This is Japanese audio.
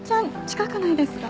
近くないですか？